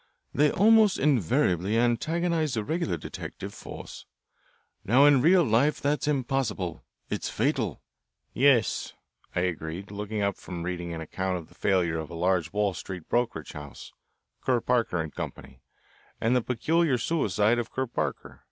"They almost invariably antagonize the regular detective force. Now in real life that's impossible it's fatal." "Yes," I agreed, looking up from reading an account of the failure of a large Wall Street brokerage house, Kerr Parker & Co., and the peculiar suicide of Kerr Parker.